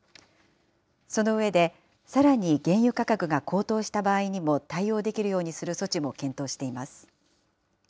その上で、さらに原油価格が高騰した場合にも対応できるようにする措置も検討しています。